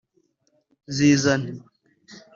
Zizane